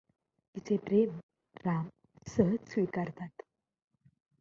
तिचे प्रेम राम सहज स्वीकारतात.